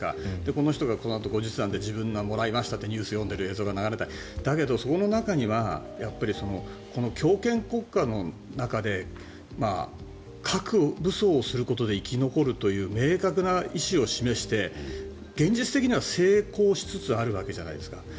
この人が、後日談で自分がもらいましたとニュースを読んでいるのが流れていたり、だけどその中にはこの強権国家の中で核武装をすることで生き残るという明確な意思を示して現実的には成功しつつあるわけじゃないですか。